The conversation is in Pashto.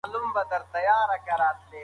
جګړه د بشریت لپاره تر ټولو لویه تراژیدي ده.